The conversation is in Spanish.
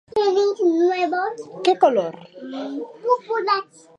Socialistas quedaron sin representación en el ayuntamiento.